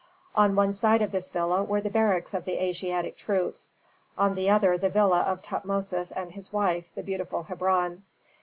On one side of this villa were the barracks of the Asiatic troops, on the other the villa of Tutmosis and his wife, the beautiful Hebron.